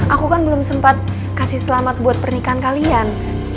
aku kan belum sempat kasih selamat buat pernikahan kalian